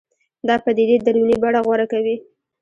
دا پدیدې دروني بڼه غوره کوي